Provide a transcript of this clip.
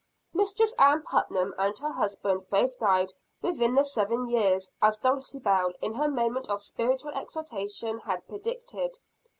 Mistress Ann Putnam and her husband both died within the seven years, as Dulcibel in her moment of spiritual exaltation had predicted.